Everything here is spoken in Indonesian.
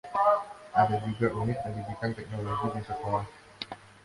Ada juga unit pendidikan teknologi di sekolah.